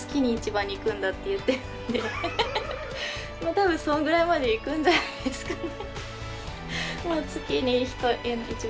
多分そのぐらいまで行くんじゃないですかね。